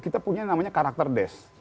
kita punya namanya karakter desk